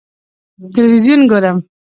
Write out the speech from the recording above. ه تلویزیون ګورم.